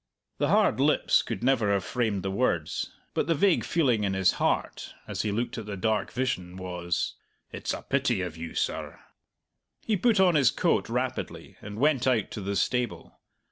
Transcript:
The hard lips could never have framed the words, but the vague feeling in his heart, as he looked at the dark vision, was: "It's a pity of you, sir." He put on his coat rapidly, and went out to the stable.